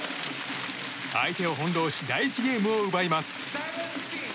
相手を翻弄し第１ゲームを奪います。